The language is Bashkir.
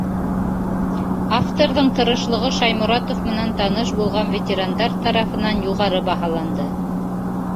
Авторҙың тырышлығы Шайморатов менән таныш булған ветерандар тарафынан юғары баһаланды.